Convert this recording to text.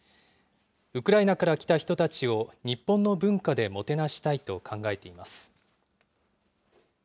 ウクライナから来た人たちを日本の文化でもてなしたいと考えています。